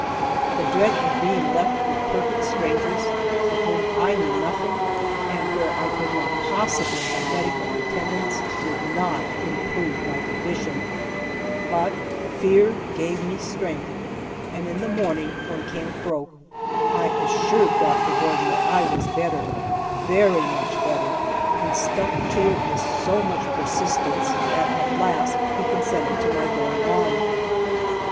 The dread of being left with perfect strangers, of whom I knew nothing, and where I could not possibly have medical attendance, did not improve my condition, but fear gave me strength, and in the morning when camp broke I assured Doctor Gordon that I was better, very much better, and stuck to it with so much persistence that at last he consented to my going on.